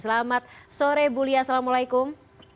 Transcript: selamat sore bu lia assalamualaikum